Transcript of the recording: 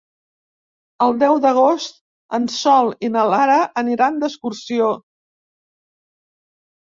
El deu d'agost en Sol i na Lara aniran d'excursió.